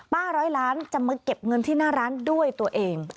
ร้อยล้านจะมาเก็บเงินที่หน้าร้านด้วยตัวเอง